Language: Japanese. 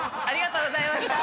ありがとうございます。